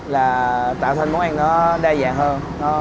là tạo thành món ăn đa dạng hơn